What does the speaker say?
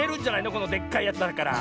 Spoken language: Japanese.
このでっかいやつだから。